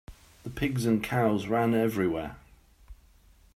The pigs and cows ran everywhere.